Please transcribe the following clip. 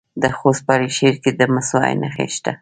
د خوست په علي شیر کې د مسو نښې شته.